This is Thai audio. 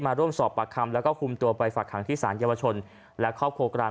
ร่วมสอบปากคำแล้วก็คุมตัวไปฝากหางที่สารเยาวชนและครอบครัวกลาง